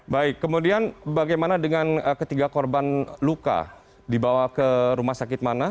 baik kemudian bagaimana dengan ketiga korban luka dibawa ke rumah sakit mana